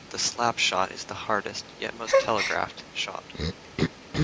The slapshot is the hardest, yet most telegraphed, shot.